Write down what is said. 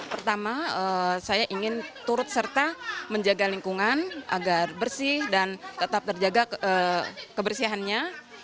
pertama saya ingin turut serta menjaga lingkungan agar bersih dan tetap terjaga kebersihannya